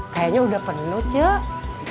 kayanya udah penuh ceng